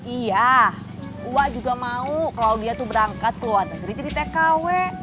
iya wak juga mau claudia tuh berangkat keluar negeri jadi tkw